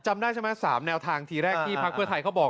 จำได้ใช่ไหม๓แนวทางทีแรกที่พักเพื่อไทยเขาบอก